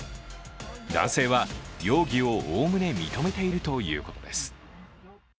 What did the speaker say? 男性は容疑を概ね認めているということです。